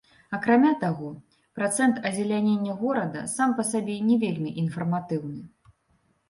Акрамя таго, працэнт азелянення горада сам па сабе не вельмі інфарматыўны.